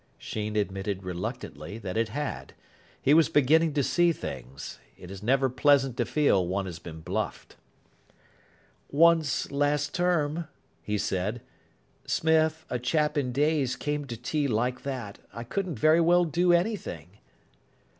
Sheen admitted reluctantly that it had. He was beginning to see things. It is never pleasant to feel one has been bluffed. "Once last term," he said, "Smith, a chap in Day's, came to tea like that. I couldn't very well do anything."